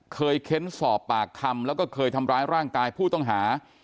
เค้นสอบปากคำแล้วก็เคยทำร้ายร่างกายผู้ต้องหา